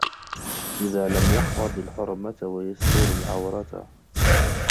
إذْ لَمْ يَحْفَظْ الْحُرْمَةَ وَيَسْتُرْ الْعَوْرَةَ